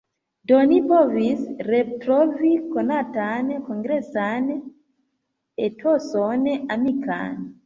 Do ni povis retrovi konatan kongresan etoson amikan.